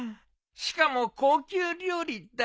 しかも高級料理だ。